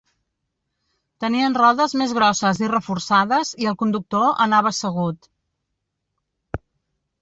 Tenien rodes més grosses i reforçades i el conductor anava assegut.